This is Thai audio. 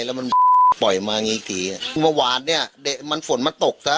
แล้วมันปล่อยมาอย่างงี้ทีอ่ะเมื่อวานเนี้ยเด็กมันฝนมันตกซะ